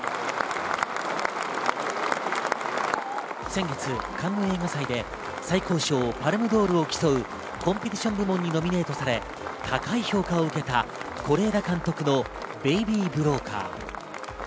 先月、カンヌ映画祭で最高賞パルムドールを競う、コンペティション部門にノミネートされ、高い評価を受けた是枝監督の『ベイビー・ブローカー』。